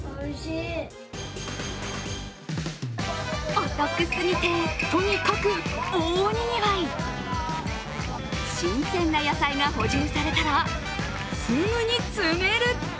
お得すぎて、とにかく大にぎわい新鮮な野菜が補充されたらすぐに詰める。